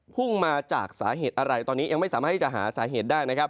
พุ่งมาจากสาเหตุอะไรตอนนี้ยังไม่สามารถหาสาเหตุได้